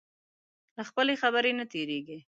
له خپلې خبرې نه تېرېږي.